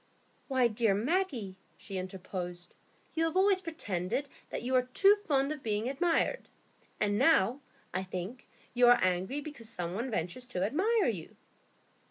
"Why, dear Maggie," she interposed, "you have always pretended that you are too fond of being admired; and now, I think, you are angry because some one ventures to admire you."